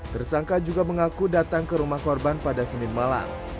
tersangka juga mengaku datang ke rumah korban pada senin malam